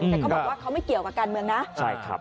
แต่เขาบอกว่าเขาไม่เกี่ยวกับการเมืองนะใช่ครับ